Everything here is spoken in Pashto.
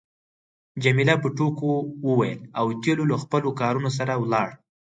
جميله په ټوکو وویل اوتیلو له خپلو کارونو سره ولاړ.